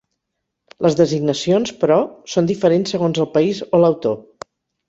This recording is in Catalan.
Les designacions, però, són diferents segons el país o l'autor.